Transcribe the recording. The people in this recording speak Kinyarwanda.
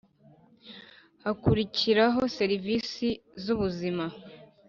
hakurikiraho serivisi z uburezi